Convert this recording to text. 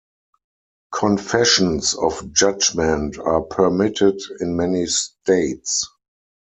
Confessions of judgment are permitted in many states.